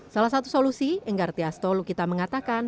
salah satu solusi enggar tias tolukita mengatakan